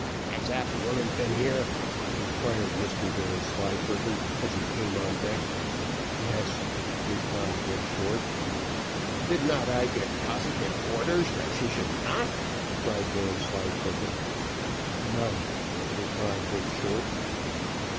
"Has that woman been here?" inquired Mr Vanslyperken, as he came on deck. "Yes," replied Dick Short. "Did not I give positive orders that she should not?" cried Vanslyperken. "No," replied Dick Short.